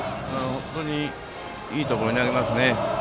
いいところに投げますね。